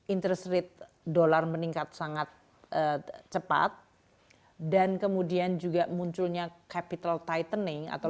interest rate dollar meningkat sangat cepat dan kemudian juga munculnya capital tightening atau